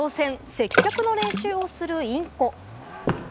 接客の練習をするインコ。